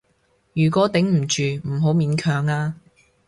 如果頂唔住，唔好勉強啊